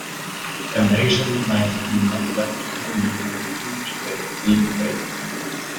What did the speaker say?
An Asian man in all black hanging up a huge dead pig by its feet.